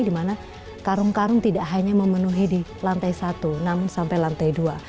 di mana karung karung tidak hanya memenuhi di lantai satu namun sampai lantai dua